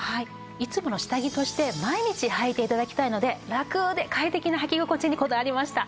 いつもの下着として毎日はいて頂きたいのでラクで快適なはき心地にこだわりました。